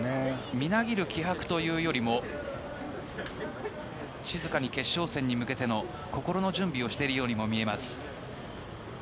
みなぎる気迫というよりも静かに決勝戦に向けての心の準備をしているようにも見えます。